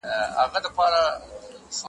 سل عزرائیل وشړم څوک خو به څه نه وايي `